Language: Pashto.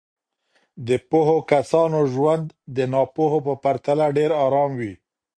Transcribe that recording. د پوهو کسانو ژوند د ناپوهو په پرتله ډېر ارام وي.